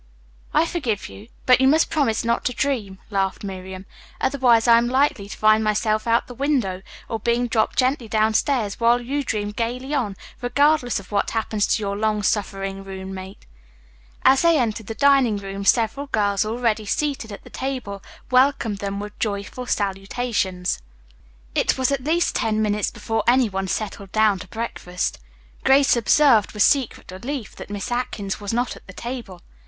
"I forgive you, but you must promise not to dream," laughed Miriam. "Otherwise I am likely to find myself out the window or being dropped gently downstairs while you dream gaily on, regardless of what happens to your long suffering roommate." As they entered the dining room several girls already seated at the table welcomed them with joyful salutations. It was at least ten minutes before any one settled down to breakfast. Grace observed with secret relief that Miss Atkins was not at the table.